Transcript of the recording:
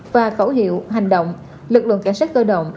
và khẩu hiệu hành động lực lượng cảnh sát cơ động